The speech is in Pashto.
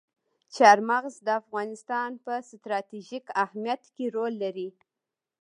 چار مغز د افغانستان په ستراتیژیک اهمیت کې رول لري.